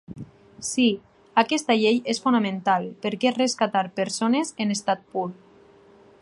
Sí, aquesta llei és fonamental perquè és rescatar persones en estat pur.